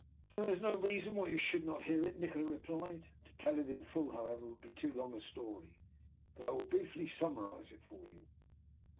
" There is no reason why you should not hear it," Nikola replied. *' To tell it in full, however, would be too long a story, but I will briefly summarize it for you.